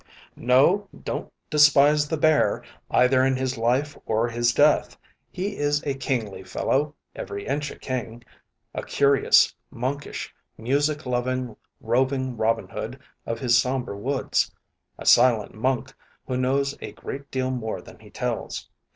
No, don't despise the bear, either in his life or his death. He is a kingly fellow, every inch a king; a curious, monkish, music loving, roving Robin Hood of his somber woods a silent monk, who knows a great deal more than he tells.